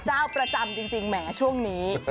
เจ้าประจำจริงแหมช่วงนี้